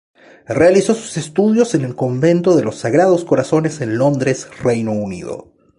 Realizó sus estudios en el Convento de los Sagrados Corazones en Londres, Reino Unido.